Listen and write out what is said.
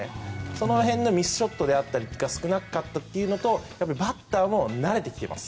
その辺のミスショットが少なかったというのとバッターも慣れてきています